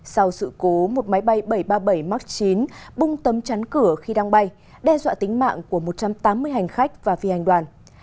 sau sự cố một máy bay bảy trăm ba mươi bảy max chín bung tấm chắn cửa khi đang bay đe dọa tính mạng của một trăm tám mươi hành khách và phi hành đoàn